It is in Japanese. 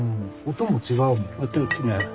音も違う。